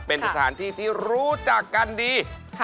เป็นสถานที่ที่รู้จักกันดี